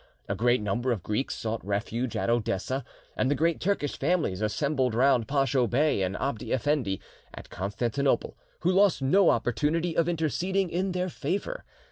A great number of Greeks sought refuge at Odessa, and the great Turkish families assembled round Pacho Bey and Abdi Effendi at Constantinople, who lost no opportunity of interceding in their favour.